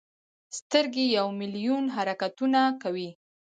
سترګې یو ملیون حرکتونه کوي.